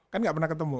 kan gak pernah ketemu